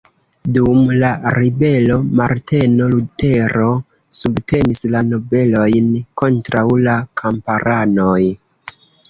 Dum la ribelo Marteno Lutero subtenis la nobelojn kontraŭ la kamparanoj.